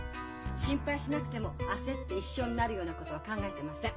心配しなくても焦って一緒になるようなことは考えてません。